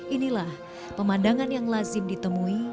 inilah pemandangan yang lazim ditemui